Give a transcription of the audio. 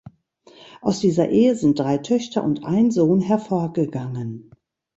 Aus dieser Ehe sind drei Töchter und ein Sohn hervorgegangen.